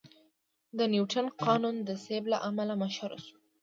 د نیوتن قانون د سیب له امله مشهور شو.